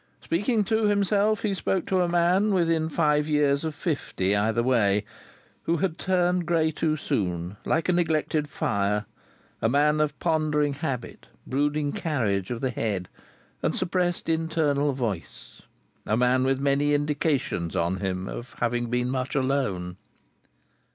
Speaking to himself, he spoke to a man within five years of fifty either way, who had turned grey too soon, like a neglected fire; a man of pondering habit, brooding carriage of the head, and suppressed internal voice; a man with many indications on him of having been much alone.